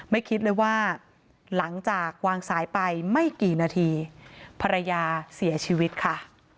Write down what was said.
คิดเลยว่าหลังจากวางสายไปไม่กี่นาทีภรรยาเสียชีวิตค่ะ